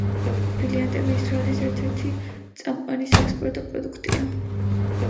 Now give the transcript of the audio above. ბრილიანტები ისრაელის ერთ-ერთი წამყვანი საექსპორტო პროდუქტია.